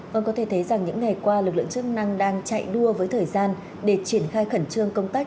vâng có thể thấy rằng những ngày qua lực lượng chức năng đang chạy đua với thời gian để triển khai khẩn trương công tác